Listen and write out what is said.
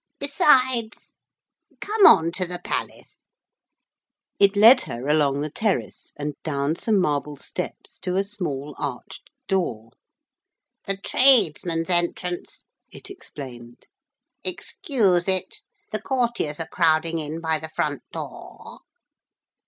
'Besides ... Come on to the Palace.' It led her along the terrace, and down some marble steps to a small arched door. 'The tradesmen's entrance,' it explained. 'Excuse it the courtiers are crowding in by the front door.'